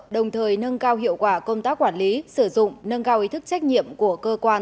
đồng thời nâng cao hiệu quả công tác quản lý sử dụng nâng cao ý thức trách nhiệm của cơ quan